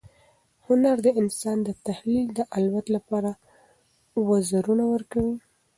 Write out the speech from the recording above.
هنر د انسان د تخیل د الوت لپاره وزرونه ورکوي.